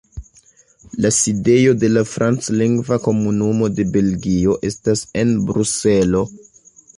La sidejo de la Franclingva Komunumo de Belgio estas en Bruselo.